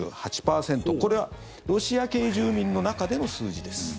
これはロシア系住民の中での数字です。